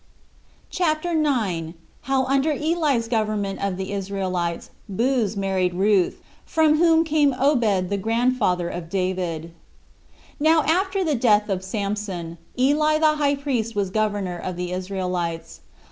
CHAPTER 9. How Under Eli's Government Of The Israelites Booz Married Ruth, From Whom Came Obed The Grandfather Of David. 1. Now after the death of Samson, Eli the high priest was governor of the Israelites.